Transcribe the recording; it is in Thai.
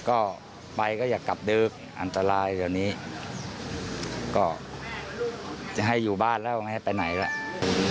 ก็ไปก็อยากกลับเดิมอันตรายเดี๋ยวนี้ก็จะให้อยู่บ้านแล้วไม่ให้ไปไหนแล้ว